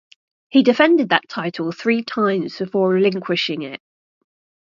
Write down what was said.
He defended that title three times before relinquishing it.